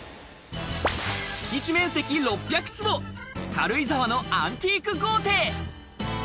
敷地面積６００坪、軽井沢のアンティーク豪邸。